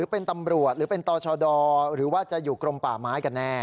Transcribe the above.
เป็นตอชดอหรือว่าจะอยู่กรมป่าไม้กันแน่